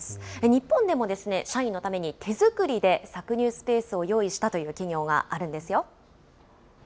日本でも社員のために、手作りで搾乳スペースを用意したという企業があるんですよ。